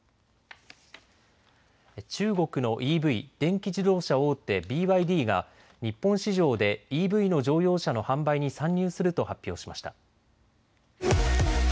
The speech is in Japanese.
中国のＥＶ・電気自動車大手、ＢＹＤが日本市場でＥＶの乗用車の販売に参入すると発表しました。